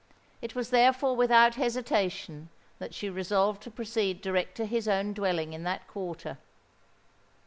It was therefore without hesitation that she resolved to proceed direct to his own dwelling in that quarter.